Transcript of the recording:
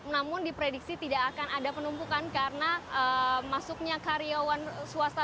namun diprediksi tidak akan ada penumpukan karena masuknya karyawan swasta